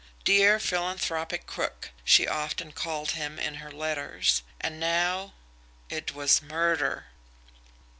"Dear Philanthropic Crook," she often called him in her letters. And now it was MURDER!